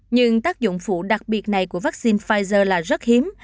nhưng tác dụng phụ đặc biệt này của vaccine pfizer là rất hiếm